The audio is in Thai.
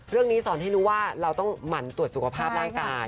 สอนให้รู้ว่าเราต้องหมั่นตรวจสุขภาพร่างกาย